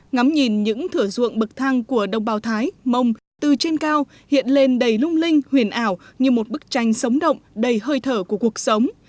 ngắm nhìn những thửa ruộng bậc thang của đồng bào thái mông từ trên cao hiện lên đầy lung linh huyền ảo như một bức tranh sống động đầy hơi thở của cuộc sống